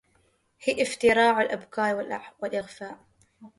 هِ افتراعَ الأبكارِ والإغفاءَ